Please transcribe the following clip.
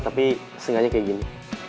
tapi sengannya kayak gini